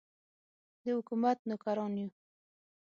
د حکومت نوکران یو.